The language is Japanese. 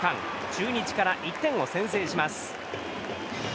中日から１点を先制します。